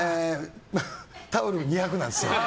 タオル２００なんです。